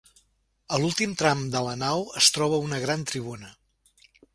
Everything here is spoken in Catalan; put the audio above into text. A l'últim tram de la nau es troba una gran tribuna.